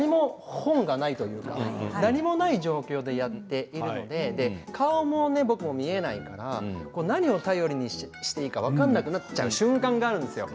本がない、何もない状況でやっているので顔も僕は見えないから何を頼りにしていいか分からなくなっちゃう瞬間があるんですよ。